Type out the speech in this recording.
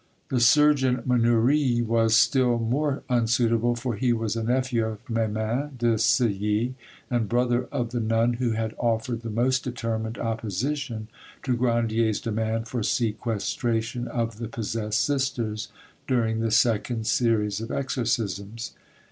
The surgeon Mannouri was still more unsuitable, for he was a nephew of Memin de Silly, and brother of the nun who had offered the most determined opposition to Grandier's demand for sequestration of the possessed sisters, during the second series of exorcisms.